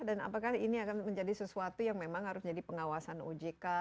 dan apakah ini akan menjadi sesuatu yang memang harus jadi pengawasan ujk